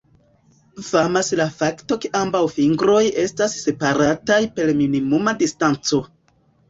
Famas la fakto ke ambaŭ fingroj estas separataj per minimuma distanco.